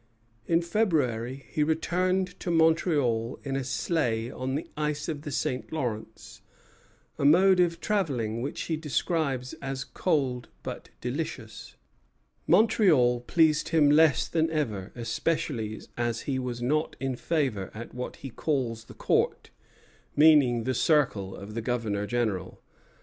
In February he returned to Montreal in a sleigh on the ice of the St. Lawrence, a mode of travelling which he describes as cold but delicious. Montreal pleased him less than ever, especially as he was not in favor at what he calls the Court, meaning the circle of the Governor General.